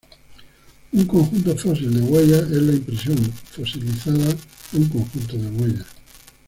Un conjunto fósil de huellas es la impresión fosilizada de un conjunto de huellas.